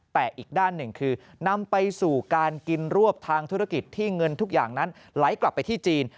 แต่อีกด้านหนึ่งคือนำไปสู่การกินรวบทางธุรกิจที่เงินทุกอย่างนั้นไหลกลับไปที่จีน